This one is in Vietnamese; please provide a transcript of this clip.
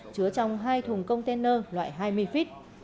chứa trong hai thùng container loại hai mươi feet